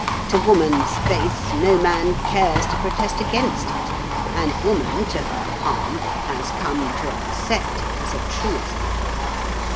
To woman's face no man cares to protest against it; and woman, to her harm, has come to accept it as a truism.